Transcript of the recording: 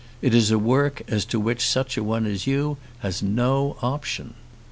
It is a work as to which such a one as you has no option.